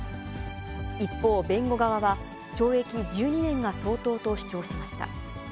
一方、弁護側は、懲役１２年が相当と主張しました。